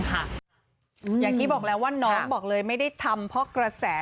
อย่างที่บอกแล้วน้องไม่ได้ทำเพราะกระแส